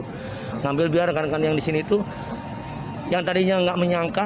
saya mengambil ke situ agar rekan rekan yang di sini yang tadinya tidak menyangka